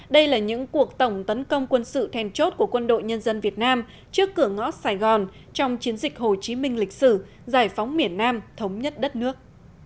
đây là những cuộc tổng tấn công quân sự then chốt của quân đội nhân dân việt nam trước cửa ngõ sài gòn trong chiến dịch hồ chí minh lịch sử giải phóng miền nam thống nhất đất nước